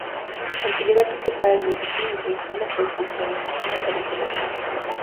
La utilidad principal del pinyin es la transcripción del chino al alfabeto latino.